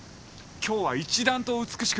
今日は一段とお美しく。